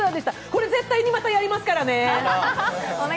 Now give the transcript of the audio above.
これ絶対にまたやりますからね。